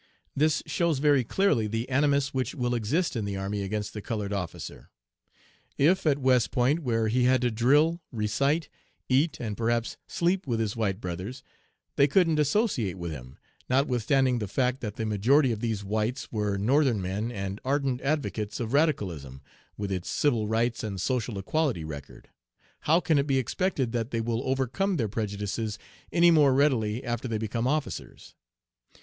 This shows very clearly the animus which will exist in the army against the colored officer. If at West Point, where he had to drill, recite, eat, and perhaps sleep with his white brothers, they couldn't associate with him (notwithstanding the fact that the majority of these whites were Northern men and ardent advocates of Radicalism, with its civil rights and social equality record), how can it be expected that they will overcome their prejudices any more readily after they become officers.